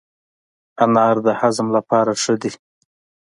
انار د هضم لپاره ښه دی.